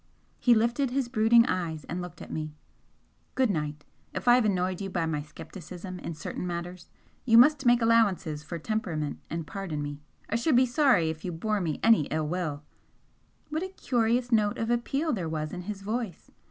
He lifted his brooding eyes and looked at me. "Good night! If I have annoyed you by my scepticism in certain matters, you must make allowances for temperament and pardon me. I should be sorry if you bore me any ill will " What a curious note of appeal there was in his voice!